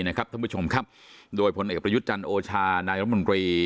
ทุกผู้ชมโดยผลเอกประยุจจันทร์โอชานายรัฐมนตรี